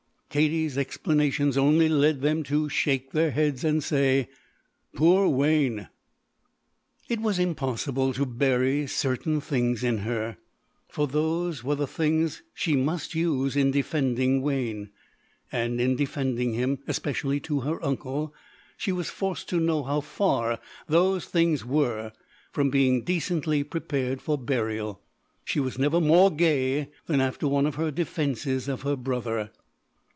Katie's explanations only led them to shake their heads and say: "Poor Wayne." It was impossible to bury certain things in her, for those were the things she must use in defending Wayne. And in defending him, especially to her uncle, she was forced to know how far those things were from being decently prepared for burial. She was never more gay than after one of her defenses of her brother.